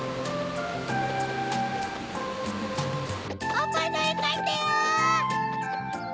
パパのえかいたよ！